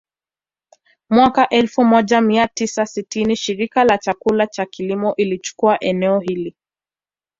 Mwaka elfu moja mia tisa sitini Shirika la Chakula na Kilimo ilichukua eneo hili